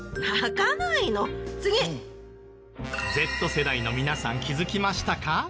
Ｚ世代の皆さん気づきましたか？